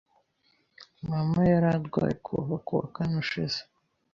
Mama yararwaye kuva kuwa kane ushize.